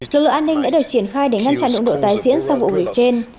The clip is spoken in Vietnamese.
lực lượng an ninh đã được triển khai để ngăn chặn động độ tái diễn sau vụ vụ trên